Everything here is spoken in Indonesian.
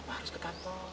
karena papa harus ke kantong